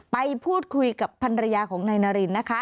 ไปพูดคุยกับพันรยาของนายนารินนะคะ